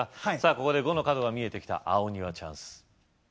ここで５の角が見えてきた青にはチャンス